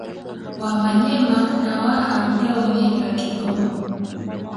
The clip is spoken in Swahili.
Wamanyema na Waha ndio wenyeji wa Kigoma